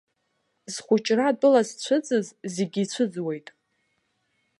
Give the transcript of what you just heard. Зхәыҷра атәыла зцәыӡыз зегьы ицәыӡуеит.